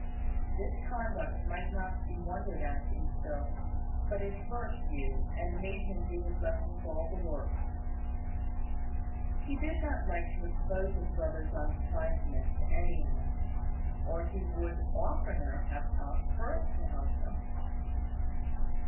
This conduct might not be wondered at in Phil; but it hurt Hugh, and made him do his lessons all the worse. He did not like to expose his brother's unkindness to any one, or he would oftener have asked Firth to help him.